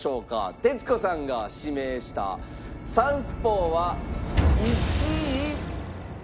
徹子さんが指名した『サウスポー』は１位。